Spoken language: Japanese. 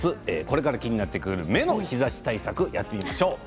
これから気になってくる目の日ざし対策やってみましょう。